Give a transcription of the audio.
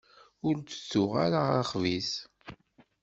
Ur d-tuɣ ara axbiz.